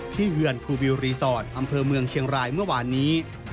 เยือนภูวิลรีสอร์ทอำเภอเมืองเชียงรายเมื่อวานนี้